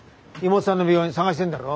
妹さんの病院探してるんだろ？